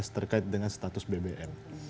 terkait dengan status bbm